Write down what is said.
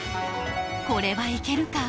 これはいけるか？